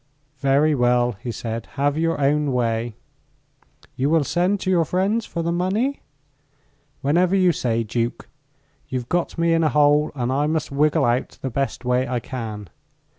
"Very well," he said; "have your own way." "You will send to your friends for the money?" "Whenever you say, Duke. You've got me in a hole, and I must wiggle out the best way I can."